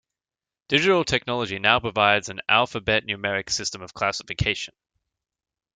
Digital technology now provides an alphabet-numeric system of classification.